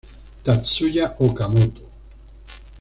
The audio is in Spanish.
Tatsuya Okamoto